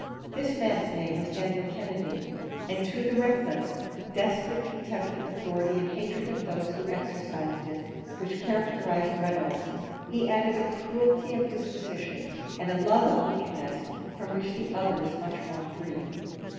This man's name was Daniel Kennedy, and to the reckless, desperate contempt of authority and hatred of those who exercised it, which characterized Reynolds, he added a cruelty of disposition, and a love of wickedness, from which the other was much more free.